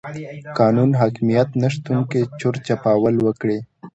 قانون حاکميت نشتون کې چور چپاول وکړي.